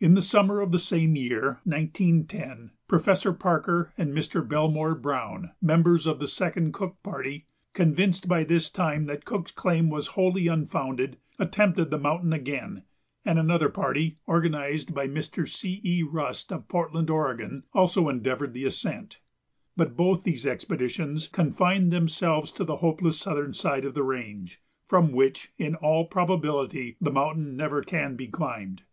In the summer of the same year, 1910, Professor Parker and Mr. Belmore Browne, members of the second Cook party, convinced by this time that Cook's claim was wholly unfounded, attempted the mountain again, and another party, organized by Mr. C. E. Rust, of Portland, Oregon, also endeavored the ascent. But both these expeditions confined themselves to the hopeless southern side of the range, from which, in all probability, the mountain never can be climbed.